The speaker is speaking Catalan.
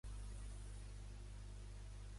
"The Doors" és un llibre tranquil.